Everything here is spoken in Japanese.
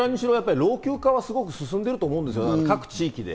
老朽化はすごく進んでいると思うんです、各地で。